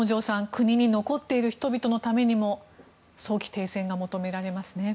国に残っている人々のためにも早期停戦が求められますね。